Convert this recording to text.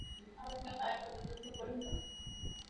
তুমি তো মাতিয়ে দিয়েছো, ভাই।